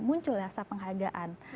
muncul rasa penghargaan